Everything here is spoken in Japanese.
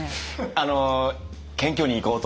あの謙虚にいこうと。